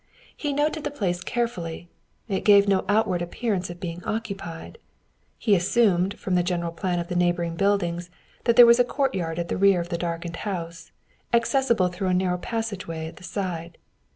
He noted the place carefully; it gave no outward appearance of being occupied. He assumed, from the general plan of the neighboring buildings, that there was a courtyard at the rear of the darkened house, accessible through a narrow passageway at the side.